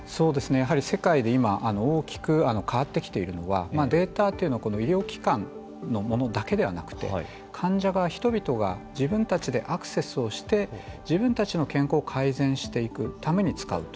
やはり世界で今大きく変わってきているのはデータというのは医療機関のものだけではなくて患者が、人々が自分たちでアクセスをして自分たちの健康を改善していくために使うと。